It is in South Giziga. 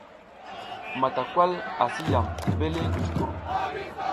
Matawal asi yam mbele kucuckur.